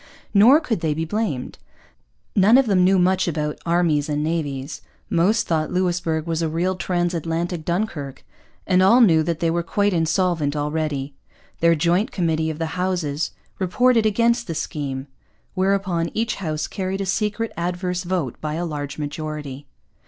Nor could they be blamed. None of them knew much about armies and navies; most thought Louisbourg was a real transatlantic Dunkirk; and all knew that they were quite insolvent already. Their joint committee of the two Houses reported against the scheme; whereupon each House carried a secret adverse vote by a large majority.